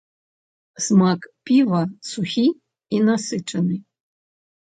Смак піва сухі і насычаны.